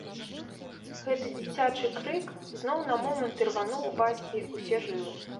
Гэты дзіцячы крык зноў на момант ірвануў у бацькі ўсе жылы.